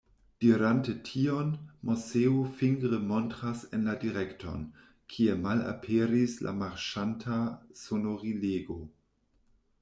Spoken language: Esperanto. Dirante tion, Moseo fingre montras en la direkton, kie malaperis la marŝanta sonorilego.